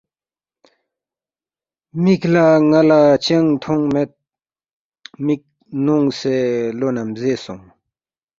مک لا نالا چنگ تھونگ مید مک نونگسے لو نمزے سونگ